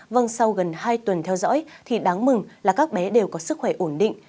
vâng sau gần hai tuần theo dõi thì đáng mừng là các bé đều có sức khỏe ổn định